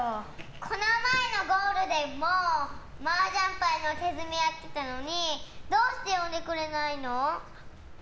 この前のゴールデンもマージャン牌の手積みやってたのにどうして呼んでくれないの？